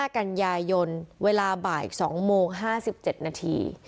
๕กันยายนเวลาบ่าย๒โมง๕๗นาที